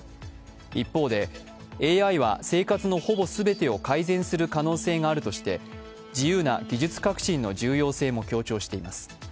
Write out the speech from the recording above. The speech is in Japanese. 一方でＡＩは生活のほぼ全てを改善する可能性があるとして自由な技術革新の重要性も強調しています。